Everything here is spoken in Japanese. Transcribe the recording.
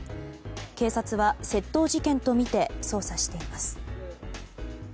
警察は、窃盗事件とみて捜査しています。